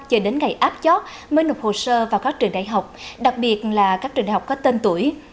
chờ đến ngày áp chót mới nộp hồ sơ vào các trường đại học đặc biệt là các trường đại học có tên tuổi